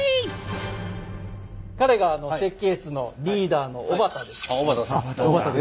彼が設計室のリーダーの小畑です。